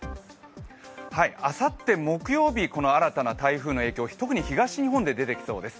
あさって木曜日、この新たな台風の影響、特に東日本で出てきそうです。